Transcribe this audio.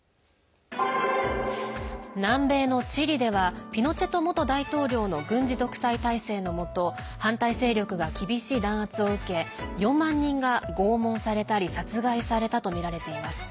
南米のチリではピノチェト元大統領の軍事独裁体制のもと反対勢力が厳しい弾圧を受け４万人が拷問されたり殺害されたとみられています。